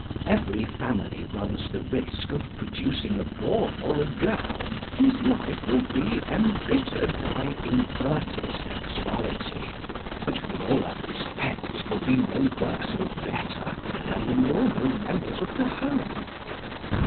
Every family runs the risk of producing a boy or a girl whose life will be embittered by inverted sexuality, but who in all other respects will be no worse or better than the normal members of the home.